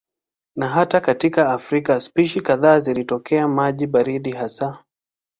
Na hata katika Afrika spishi kadhaa zinatokea maji baridi hasa.